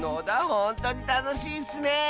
ほんとにたのしいッスね！